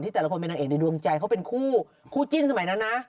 แต่ละคนเป็นนางเอกในดวงใจเขาเป็นคู่คู่จิ้นสมัยนั้นนะ